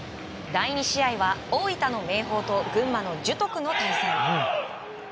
第２試合は大分の明豊と群馬の樹徳の対戦。